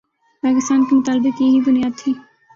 پاکستان کے مطالبے کی یہی بنیاد تھی۔